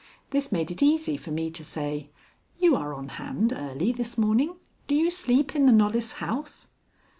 This made it easy for me to say: "You are on hand early this morning. Do you sleep in the Knollys house?"